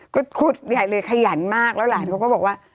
ก็ขุดใหญ่เลยขยันมากแล้วหลานเขาก็บอกว่า